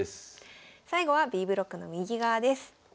最後はＢブロックの右側です。